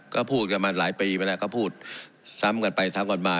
ก็พูดกันมาหลายปีไปแล้วก็พูดซ้ำกันไปซ้ำกันมา